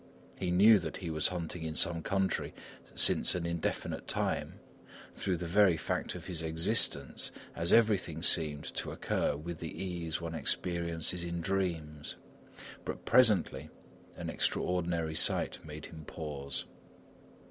He knew that he was hunting in some country since an indefinite time, through the very fact of his existence, as everything seemed to occur with the ease one experiences in dreams. But presently an extraordinary sight made him pause.